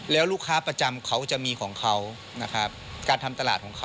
แล้วลูกค้าประจำเขาจะมีของเขานะครับ